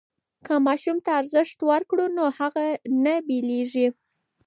که ماشوم ته ارزښت ورکړو نو هغه نه بېلېږي.